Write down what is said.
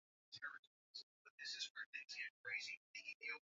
kundi lililohusika kwenye mauaji lilikuwa kubwa sana